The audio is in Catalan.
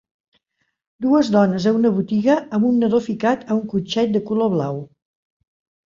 Dues dones a una botiga amb un nadó ficat a un cotxet de color blau.